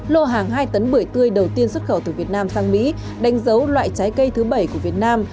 lô hàng hai tấn bưởi tươi đầu tiên xuất khẩu từ việt nam sang mỹ đánh dấu loại trái cây thứ bảy của việt nam